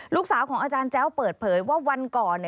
อาจารย์ของอาจารย์แจ้วเปิดเผยว่าวันก่อน